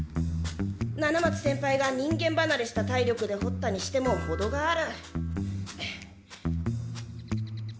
七松先輩が人間ばなれした体力でほったにしてもほどがある。